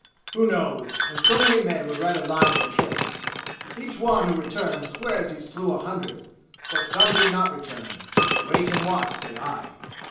"Who knows, when so many men would rather lie than kill? Each one who returned swears he slew a hundred. But some did not return. Wait and watch, say I!"